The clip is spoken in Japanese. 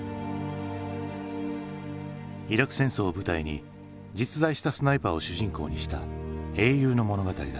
イラク戦争を舞台に実在したスナイパーを主人公にした英雄の物語だ。